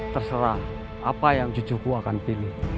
terserah apa yang cucuku akan pilih